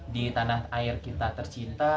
di tanah air kita tercinta